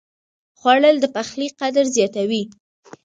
خوړل د پخلي قدر زیاتوي